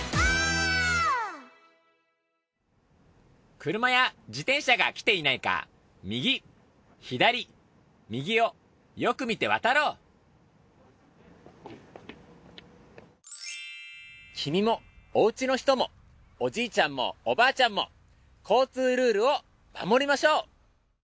クルマや自転車が来ていないか右左右をよく見て渡ろう君もおうちの人もおじいちゃんもおばあちゃんも交通ルールを守りましょう。